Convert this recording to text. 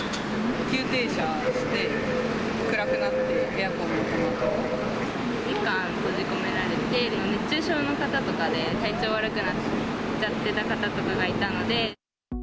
急停車して、暗くなって、２時間閉じ込められて、熱中症の方とかで、体調悪くなっちゃってた方とかがいたので。